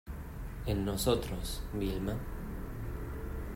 en nosotros, Vilma.